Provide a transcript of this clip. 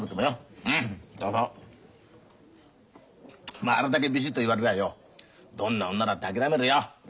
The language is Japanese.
まああれだけビシッと言われりゃよどんな女だって諦めるよ。